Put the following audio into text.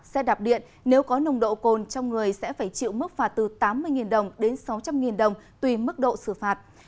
xe đạp điện nếu có nồng độ cồn trong người sẽ phải chịu mức phạt từ tám mươi đồng đến sáu trăm linh đồng tùy mức độ xử phạt